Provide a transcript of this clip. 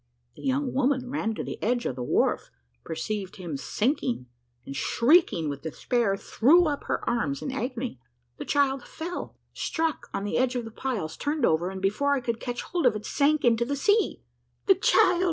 The young woman ran to the edge of the wharf, perceived him sinking, and shrieking with despair, threw up her arms in her agony. The child fell, struck on the edge of the piles, turned over, and before I could catch hold of it, sank into the sea. "The child!